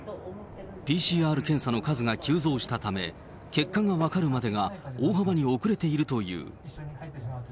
ＰＣＲ検査の数が急増したため、結果が分かるまでが大幅に遅れているという。